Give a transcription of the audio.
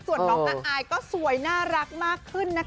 ส่วนน้องอายก็สวยน่ารักมากขึ้นนะคะ